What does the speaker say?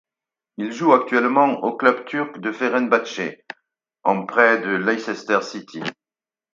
Il joue actuellement au club turc de Fenerbahçe, en prêt de Leicester City.